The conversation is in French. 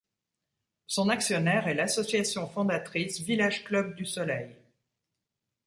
Son actionnaire est l'Association fondatrice Villages Clubs du Soleil.